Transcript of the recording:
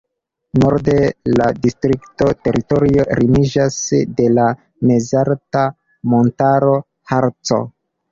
Norde la distrikta teritorio limiĝas de la mezalta montaro Harco.